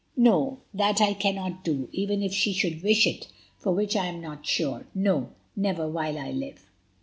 "No, that I cannot do, even if she should wish it, of which I am not sure; no—never while I live."